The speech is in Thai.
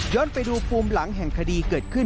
ไปดูภูมิหลังแห่งคดีเกิดขึ้น